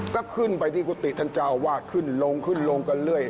ก็ขึ้นไปที่กุฏิท่านเจ้าอาวาสขึ้นลงขึ้นลงกันเรื่อย